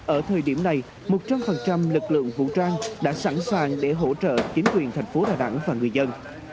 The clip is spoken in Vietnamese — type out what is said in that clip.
ở thời điểm này một trăm linh lực lượng vũ trang đã sẵn sàng để hỗ trợ chính quyền thành phố đà nẵng và người dân